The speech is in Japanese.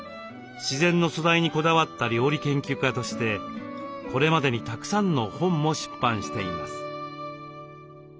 自然の素材にこだわった料理研究家としてこれまでにたくさんの本も出版しています。